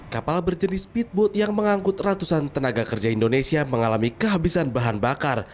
kapal berjenis speedboat yang mengangkut ratusan tenaga kerja indonesia mengalami kehabisan bahan bakar